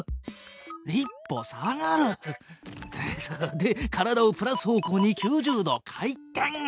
で体をプラス方向に９０度回転！